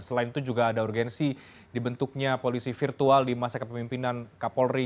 selain itu juga ada urgensi dibentuknya polisi virtual di masa kepemimpinan kapolri